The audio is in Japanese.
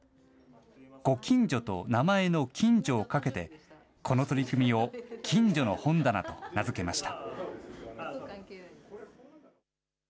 ご近所と名前の金城をかけてこの取り組みをきんじょの本棚と名付けました。